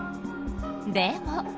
でも。